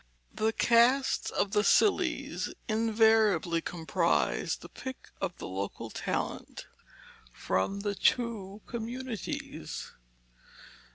The casts of the Sillies invariably comprise the pick of local talent from the two communities.